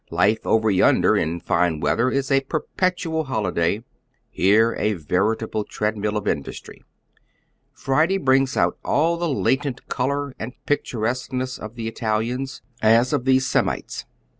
Life over yonder in fine weather is a perpetual holiday, here a veritable tread mill of industry. Friday brings out all the latent color and picturesqueness of the Italians, as of these Semites.